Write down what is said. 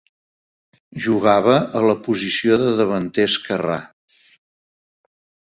Jugava a la posició de davanter esquerrà.